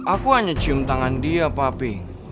aku hanya cium tangan dia pak ping